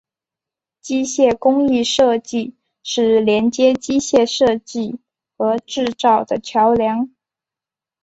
机械工艺设计是连接机械设计和制造的桥梁。